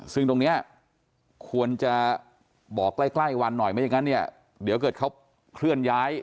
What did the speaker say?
ซึ่งตรงนี้ควรจะบอกใกล้วันหน่อยไม่อย่างนั้นเนี่ยเดี๋ยวเกิดเขาเคลื่อนย้าย